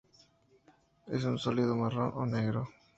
Es un sólido marrón o negro.